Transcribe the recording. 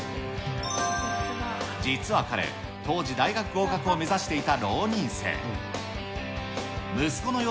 実は彼、当時、大学合格を目指していた浪人生。